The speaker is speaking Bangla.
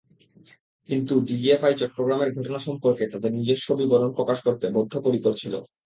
কিন্তু ডিজিএফআই চট্টগ্রামের ঘটনা সম্পর্কে তাদের নিজস্ব বিবরণ প্রকাশ করতে বদ্ধপরিকর ছিল।